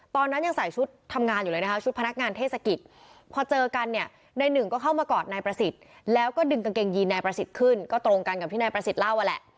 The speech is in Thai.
ตอนนั้นยังใส่ชุดทำงานอยู่เลยนะคะชุดพนักงานเทศกิจพอเจอกันเนี่ยนายหนึ่งก็เข้ามากอดนายประสิทธิ์แล้วก็ดึงกางเกงยีนนายประสิทธิ์ขึ้นก็ตรงกันกับที่นายประสิทธิ์เล่าแหละ